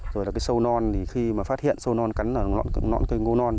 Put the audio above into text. rồi là cái sâu non thì khi mà phát hiện sâu non cắn vào ngọn cây ngô non